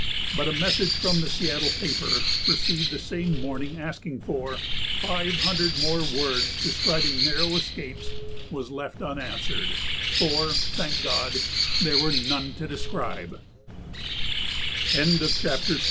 But a message from the Seattle paper received the same morning asking for "five hundred more words describing narrow escapes" was left unanswered, for, thank God, there were none to describe. FOOTNOTES: Ottawa: Thorburn & Abbott, 1913, p.